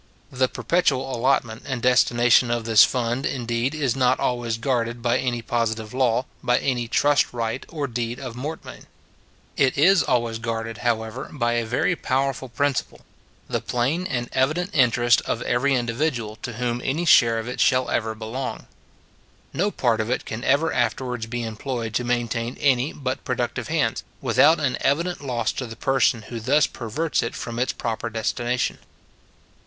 The perpetual allotment and destination of this fund, indeed, is not always guarded by any positive law, by any trust right or deed of mortmain. It is always guarded, however, by a very powerful principle, the plain and evident interest of every individual to whom any share of it shall ever belong. No part of it can ever afterwards be employed to maintain any but productive hands, without an evident loss to the person who thus perverts it from its proper destination.